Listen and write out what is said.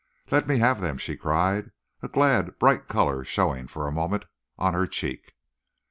"Let me have them!" she cried, a glad, bright color showing for a moment on her cheek.